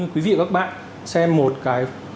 quý vị các bạn xem một cái